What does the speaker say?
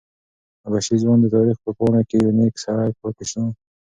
حبشي ځوان د تاریخ په پاڼو کې یو نېک سړی پاتې شو.